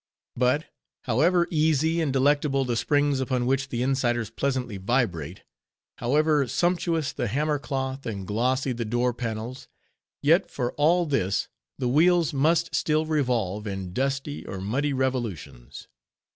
But however easy and delectable the springs upon which the insiders pleasantly vibrate: however sumptuous the hammer cloth, and glossy the door panels; yet, for all this, the wheels must still revolve in dusty, or muddy revolutions.